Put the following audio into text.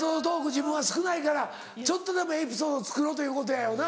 自分は少ないからちょっとでもエピソードつくろうということやよな。